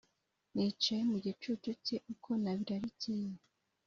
Nicaye mu gicucu cye uko nabirarikiye,